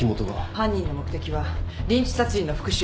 犯人の目的はリンチ殺人の復讐。